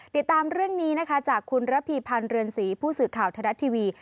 ติดตามเรื่องนี้นะคะจากคุณระพีพันธ์เรือนศรีผู้สื่อข่าวไทยรัฐทีวี